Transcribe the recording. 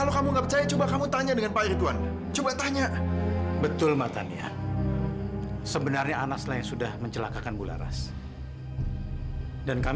sampai jumpa di video selanjutnya